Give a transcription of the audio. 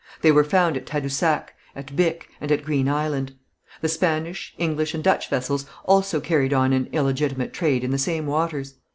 They were found at Tadousac, at Bic, and at Green Island. The Spanish, English and Dutch vessels also carried on an illegitimate trade in the same waters.